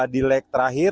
di leg terakhir